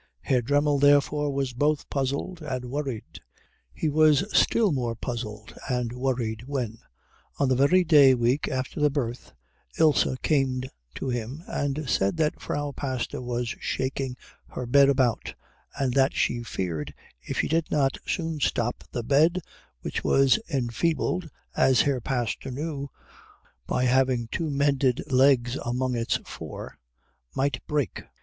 Herr Dremmel, therefore, was both puzzled and worried. He was still more puzzled and worried when, on the very day week after the birth, Ilse came to him and said that Frau Pastor was shaking her bed about and that she feared if she did not soon stop the bed, which was enfeebled as Herr Pastor knew by having two mended legs among its four, might break.